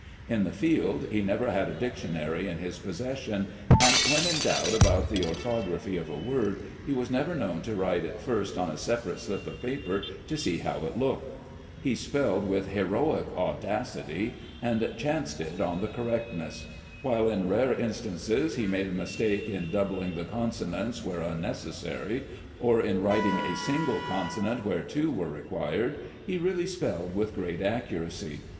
In the .field he never had a dictionary in his possession, and when in doubt about the orthography of a word, he was never known to write it first on a separate slip of paper to see how it looked. He spelled with heroic audacity, and " chanced it " on the correctness. "While in rare instances he made a mistake in doubling the consonants where unneces sary, or in writing a single consonant where two were required, he really spelled with great accuracy.